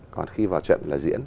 còn khi vào trận là diễn